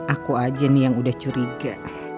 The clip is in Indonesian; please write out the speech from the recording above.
aku aja nih yang udah curiga